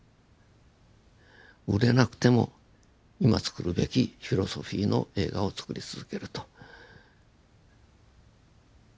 売れなくても今つくるべきフィロソフィーの映画をつくり続けると。